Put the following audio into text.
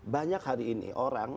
banyak hari ini orang